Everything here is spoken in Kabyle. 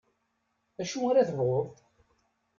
Acu ara tebɣuḍ?